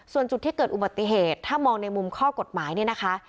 ส่วนจุดที่เกิดอุบัติเหตุถ้ามองในมุมข้อกฎหมายเนี่ยนะคะ